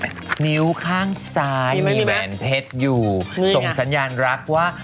นิ้วข้างซ้ายมีแหวนเพชรอยู่มีอีกฮะส่งสัญญารักษณ์ว่า